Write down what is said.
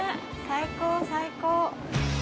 最高最高。